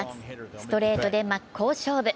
ストレートで真っ向勝負。